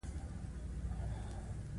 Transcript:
جګړه د پلار نه زوی بېلوي